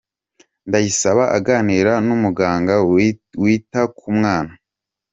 Ndayisaba aganira n'umuganga wita ku mwana.